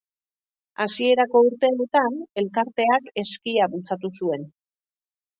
Hasierako urteetan elkarteak eskia bultzatu zuen.